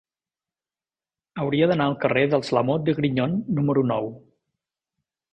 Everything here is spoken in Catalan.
Hauria d'anar al carrer dels Lamote de Grignon número nou.